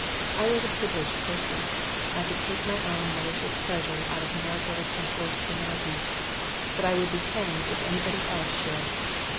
I was a privileged person. I could take my own malicious pleasure out of Marigold's enforced humility, but I would be hanged if anybody else should.